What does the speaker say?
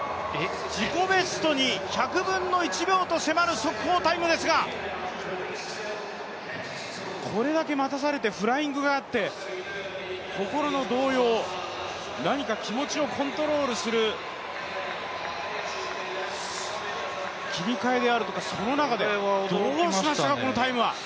自己ベストの１００分の１秒と迫る速報タイムですがこれだけ待たされてフライングがあって心の動揺、何か気持ちをコントロールする切り替えであるとか、その中でどうしましたか、このタイムは。